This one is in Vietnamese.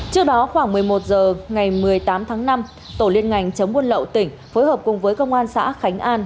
trước đó khoảng một mươi một h ngày một mươi tám tháng năm tổ liên ngành chống buôn lậu tỉnh phối hợp cùng với công an xã khánh an